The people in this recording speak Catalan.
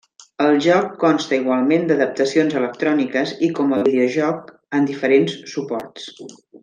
El joc consta igualment d'adaptacions electròniques i com a videojoc en diferents suports.